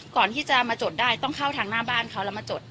ก่อนที่จะมาจดได้ต้องเข้าทางหน้าบ้านเขาแล้วมาจด